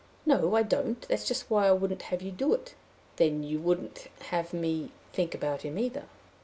'No, I don't. That's just why I wouldn't have you do it.' 'Then you wouldn't have me think about him either?'